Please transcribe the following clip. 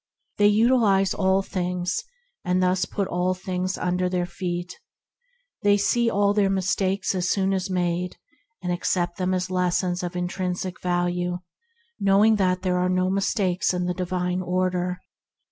They utilize all things, and thus put all things under their feet. They see all their mistakes as soon as made, and accept them as lessons of intrinsic value, knowing that there are no mistakes in the Divine Order.